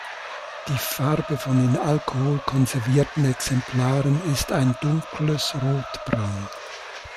Die Farbe von in Alkohol konservierten Exemplaren ist ein dunkles rotbraun.